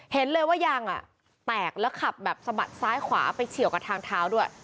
เห็นเลยว่ายางแตกแล้วขับแบบสะบัดซ้ายขวาไปเฉียวกับทางเท้าด้วย